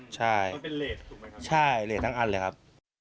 ใช่ใช่ทั้งอันเลยครับ